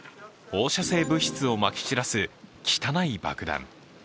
放射性物質をまき散らす汚い爆弾。